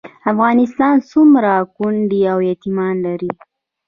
افغانستان څومره کونډې او یتیمان لري؟